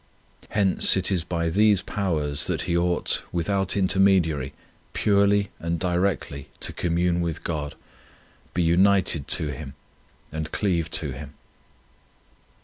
Hence it is by these powers that he ought, without intermediary, purely and directly to commune with God, be united to Him, and cleave to Him.